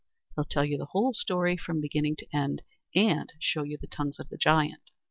He'll tell you the whole story from beginning to end, and show you the tongues of the giant."